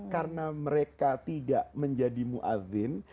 karena mereka tidak menjadi mu'adhin